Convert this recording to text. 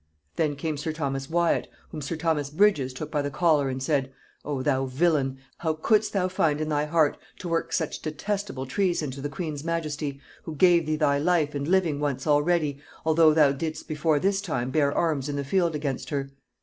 Then came sir Thomas Wyat, whom sir Thomas Bridges took by the collar, and said; 'O thou villain! how couldst thou find in thy heart to work such detestable treason to the queen's majesty, who gave thee thy life and living once already, although thou didst before this time bear arms in the field against her?